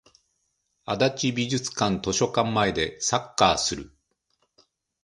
足立美術館図書館前でサッカーする